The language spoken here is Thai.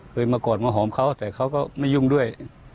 มากอดมาหอมเขาแต่เขาก็ไม่ยุ่งด้วย